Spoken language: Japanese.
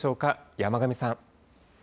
山神さん。